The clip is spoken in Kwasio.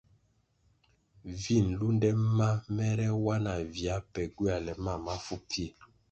Vi nlunde ma mèrè wa na vya pe gywoēle mam mafu pfie.